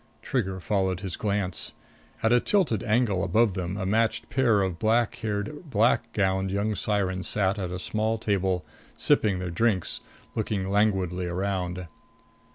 Trigger followed his glance. At a tilted angle above them, a matched pair of black haired, black gowned young sirens sat at a small table, sipping their drinks, looking languidly around.